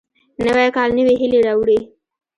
نوی کال نوې هیلې راوړي